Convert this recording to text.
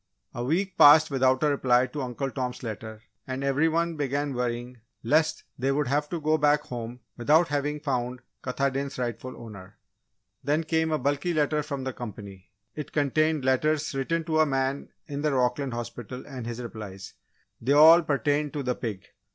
A week passed without a reply to Uncle Tom's letter and every one began worrying lest they would have to go back home without having found Katahdin's rightful owner. Then came a bulky letter from the company. It contained letters written to a man in the Rockland hospital and his replies. They all pertained to the pig.